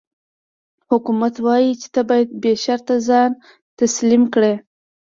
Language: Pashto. حکومت وايي چې ته باید بې شرطه ځان تسلیم کړې.